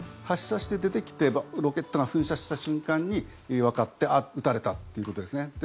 発射して出てきてロケットが噴射した瞬間にわかって撃たれたということですね。